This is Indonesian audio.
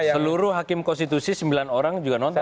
seluruh hakim konstitusi sembilan orang juga nonton